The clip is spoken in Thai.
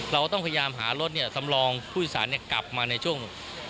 เราต้องพยายามหารถสำรองผู้โดยสารกลับมาในช่วง